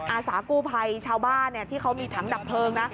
อาสากู้ภัยชาวบ้านที่เขามีถังดับเพลิงนะ